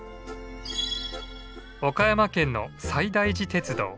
岡山県の西大寺鉄道。